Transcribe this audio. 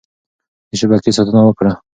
د شبکې ساتنه وکړه.